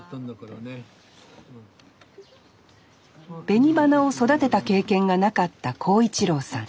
紅花を育てた経験がなかった耕一郎さん。